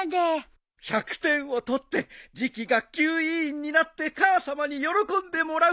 １００点を取って次期学級委員になって母さまに喜んでもらう。